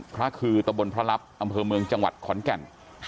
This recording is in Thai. พระคือตะบนพระลับอำเภอเมืองจังหวัดขอนแก่น